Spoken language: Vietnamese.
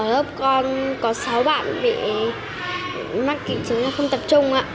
ở lớp con có sáu bạn bị mắc kỹ trường không tập trung ạ